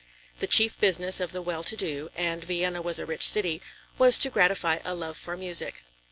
The chief business of the well to do (and Vienna was a rich city), was to gratify a love for music.